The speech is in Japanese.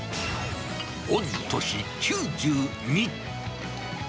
御年９２。